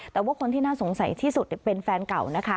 แต่ว่าคนที่น่าสงสัยที่สุดเป็นแฟนเก่านะคะ